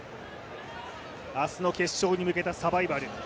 明日の決勝に向けたサバイバル。